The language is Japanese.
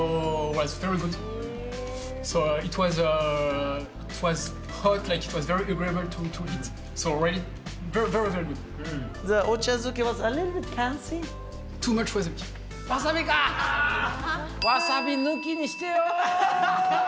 わさび抜きにしてよ。